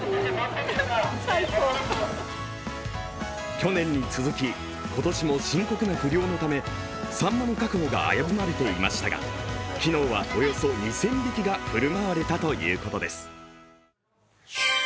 去年に続き、今年も深刻な不漁のためさんまの確保が危ぶまれていましたが昨日はおよそ２０００匹が振る舞われたということです。